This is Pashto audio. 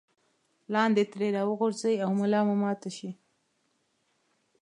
لاندې ترې راوغورځئ او ملا مو ماته شي.